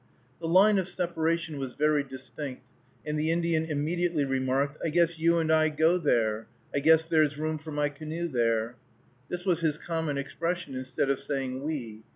The line of separation was very distinct, and the Indian immediately remarked, "I guess you and I go there, I guess there's room for my canoe there." This was his common expression instead of saying "we."